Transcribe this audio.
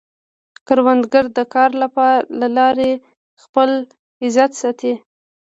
کروندګر د کار له لارې خپل عزت ساتي